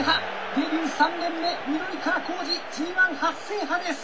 デビュー３年目緑川光司ＧⅠ初制覇です！